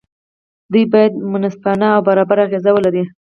دوی باید منصفانه او برابر اغېز ولري.